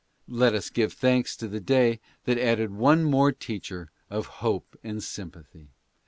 Let as give thanks to the lay :hat added one more teacher of hope and sympathy.